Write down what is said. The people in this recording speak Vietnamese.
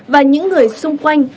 và những người xung quanh